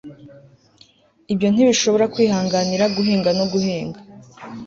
Ibyo ntibishobora kwihanganira guhinga no guhinga